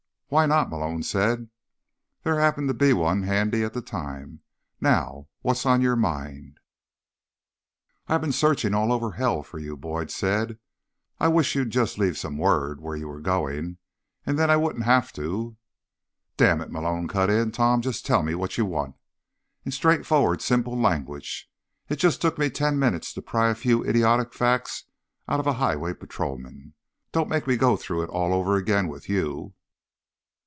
"Why not?" Malone said. "There happened to be one handy at the time. Now, what's on your mind?" "I've been searching all over hell for you," Boyd said. "I wish you'd just leave some word where you were going, and then I wouldn't have to—" "Damn it," Malone cut in. "Tom, just tell me what you want. In straightforward, simple language. It just took me ten minutes to pry a few idiotic facts out of a highway patrolman. Don't make me go through it all over again with you."